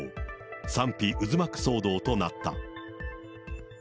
賛否渦巻く騒動となった。